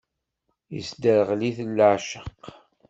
Isderɣel-iten leɛceq.